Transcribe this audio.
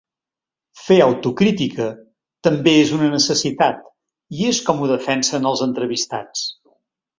Fer autocrítica també és una necessitat, i és com ho defensen els entrevistats.